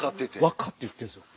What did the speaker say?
分かって言ってるんですよ。